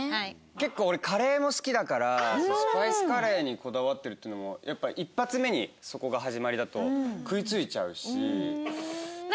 結構俺カレーも好きだからスパイスカレーにこだわってるっていうのもやっぱ一発目にそこが始まりだと食いついちゃうし。